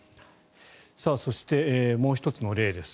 そしてもう１つの例です。